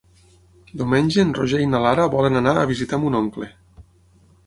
Diumenge en Roger i na Lara volen anar a visitar mon oncle.